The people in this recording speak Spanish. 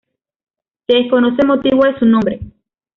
Se desconoce el motivo de su nombre.